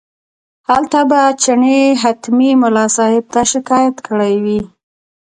هلته به چڼي حتمي ملا صاحب ته شکایت کړی وي.